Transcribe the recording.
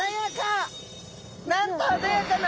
なんと鮮やかな。